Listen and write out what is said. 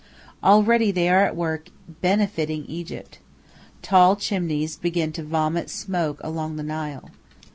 Already they are at work "benefiting Egypt." Tall chimneys begin to vomit smoke along the Nile.